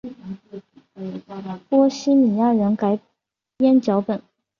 波希米亚人改编脚本。